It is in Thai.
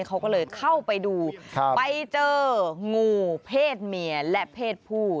เขาก็เลยเข้าไปดูไปเจองูเพศเมียและเพศผู้